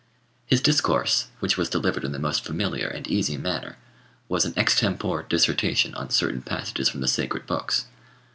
His discourse, which was delivered in the most familiar and easy manner, was an extempore dissertation on certain passages from the sacred books.